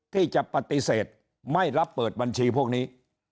ที่จะปฏิเสธไม่รับเปิดบัญชีพวกนี้